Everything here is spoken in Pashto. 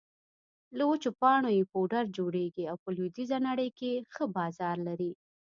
له وچو پاڼو يې پوډر جوړېږي او په لویدېزه نړۍ کې ښه بازار لري